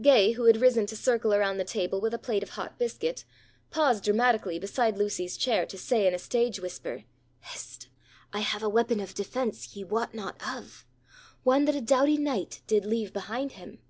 Gay, who had risen to circle around the table with a plate of hot biscuit, paused dramatically beside Lucy's chair to say in a stage whisper, "Hist! I have a weapon of defence ye wot not of. One that a doughty knight did leave behind him."